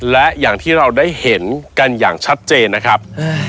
และอย่างที่เราได้เห็นกันอย่างชัดเจนนะครับ